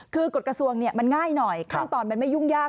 คือกฎกระทรวงมันง่ายหน่อยขั้นตอนมันไม่ยุ่งยาก